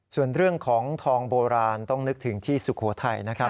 ส่วนเรื่องของทองโบราณต้องนึกถึงที่สุโขทัยนะครับ